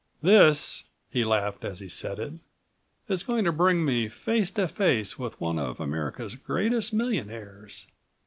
"This," he laughed as he said it, "is going to bring me face to face with one of America's greatest millionaires.